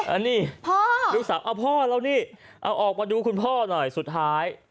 อันนี้พ่อลูกสาวเอาพ่อแล้วนี่เอาออกมาดูคุณพ่อหน่อยสุดท้าย